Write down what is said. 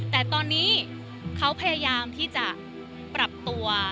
แต่ตอนนี้เขาพยายามที่จะปรับตัว